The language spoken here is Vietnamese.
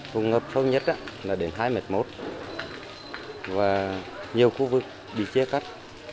vùng ngập sâu nhất là đến hai mệt mốt và nhiều khu vực bị che cắt